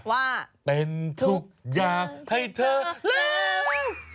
ว่าเป็นทุกอย่างให้เธอลืม